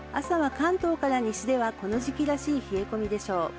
朝は関東から西では、この時期らしい冷え込みでしょう。